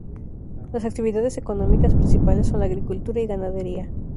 Las actividades económicas principales son la agricultura y ganadería.